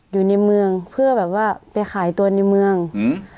อยู่ในเมืองเพื่อแบบว่าไปขายตัวในเมืองอืม